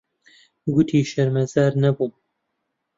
گوتی شەرمەزار نەبووم.